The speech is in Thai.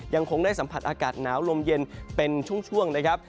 ยังคงได้สัมผัสอากาศหนาวลมเย็นเป็นช่วงนะครับ